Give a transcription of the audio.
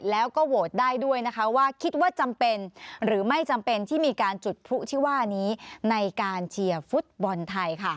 แล้วก็โหวตได้ด้วยนะคะว่าคิดว่าจำเป็นหรือไม่จำเป็นที่มีการจุดพลุที่ว่านี้ในการเชียร์ฟุตบอลไทย